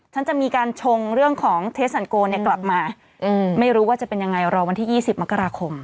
ฉันจะมีการชงเรื่องของเนี้ยกลับมาอืมไม่รู้ว่าจะเป็นยังไงรอวันที่ยี่สิบมกราคม